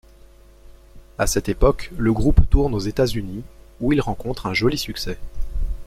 À cette époque, le groupe tourne aux États-Unis, où il rencontre un joli succès.